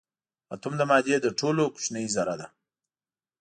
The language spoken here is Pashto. اتوم د مادې تر ټولو کوچنۍ ذره ده.